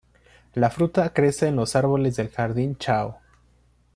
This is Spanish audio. La fruta crece en los árboles del jardín Chao.